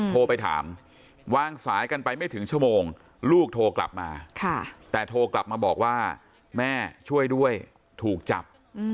โทรไปถามวางสายกันไปไม่ถึงชั่วโมงลูกโทรกลับมาแต่โทรกลับมาบอกว่าแม่ช่วยด้วยถูกจับ